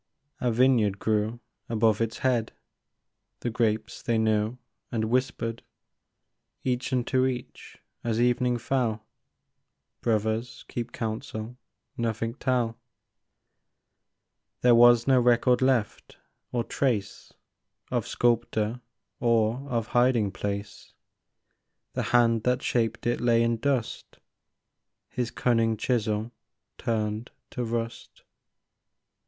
A vineyard grew above its head ; The grapes they knew, and whispered Each unto each, as evening fell : Brothers, keep counsel, nothing tell !" There was no record left, or trace Of sculptor or of hiding place ; The hand that shaped it lay in dust, His cunning chisel turned to rust.